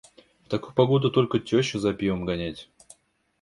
В такую погоду только тёщу за пивом гонять.